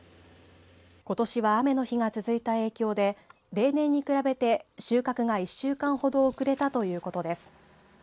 ことしは雨の日が続いた影響で例年に比べて収穫が１週間ほど遅れたということです。